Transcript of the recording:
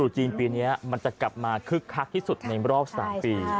จีนปีนี้มันจะกลับมาคึกคักที่สุดในรอบ๓ปี